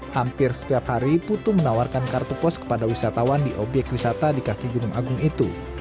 hampir setiap hari putu menawarkan kartu pos kepada wisatawan di obyek wisata di kaki gunung agung itu